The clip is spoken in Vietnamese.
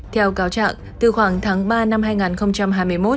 theo cáo chạm từ khoảng tháng ba năm hai nghìn một mươi bốn